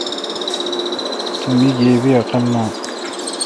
تو مے°گیبی عقل نان۔